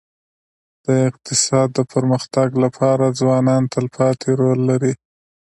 د اقتصاد د پرمختګ لپاره ځوانان تلپاتې رول لري.